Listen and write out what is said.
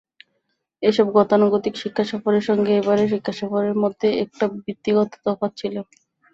এতসব গতানুগতিক শিক্ষাসফরের সঙ্গে এবারের শিক্ষাসফরের মধ্যে একটা ভিত্তিগত তফাত ছিল।